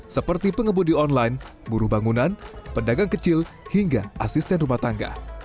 seperti pengemudi online buruh bangunan pedagang kecil hingga asisten rumah tangga